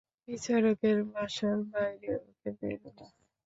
বিচারকের বাসার বাইরে ওকে মেরো না।